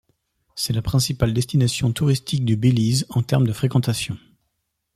C'est la principale destination touristique du Belize en termes de fréquentation.